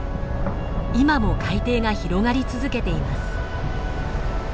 今も海底が広がり続けています。